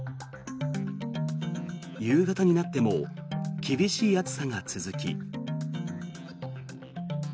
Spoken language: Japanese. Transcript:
夕方になっても厳しい暑さが続き。